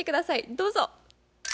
どうぞ。